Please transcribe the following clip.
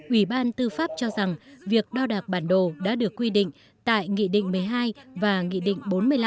ủy ban tư pháp cho rằng việc đo đạc bản đồ đã được quy định tại nghị định một mươi hai và nghị định bốn mươi năm